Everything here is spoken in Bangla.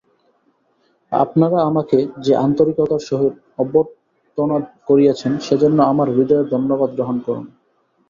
আপনারা আমাকে যে আন্তরিকতার সহিত অভ্যর্থনা করিয়াছেন, সেজন্য আমার হৃদয়ের ধন্যবাদ গ্রহণ করুন।